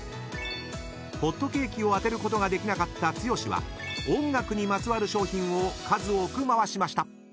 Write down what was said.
［ホットケーキを当てることができなかった剛は音楽にまつわる商品を数多く回しました］